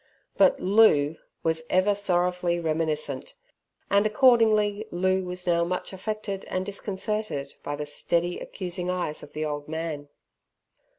But "Loo" was ever sorrowfully reminiscent. And accordingly Loo was now much affected and disconcerted by the steady accusing eyes of the old man.